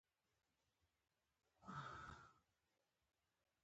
چلم او پلاو دواړه بشري لاسته راوړنې دي